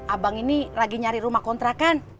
abang ini lagi nyari rumah kontra kan